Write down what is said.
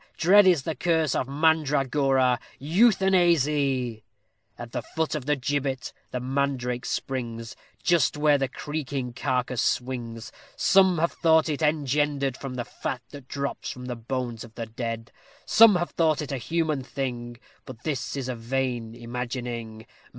Dread is the curse of mandragora! Euthanasy!_ At the foot of the gibbet the mandrake springs; Just where the creaking carcase swings; Some have thought it engendered From the fat that drops from the bones of the dead; Some have thought it a human thing; But this is a vain imagining.